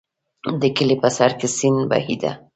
د کلي په سر کې سیند بهېده.